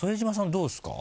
どうですか？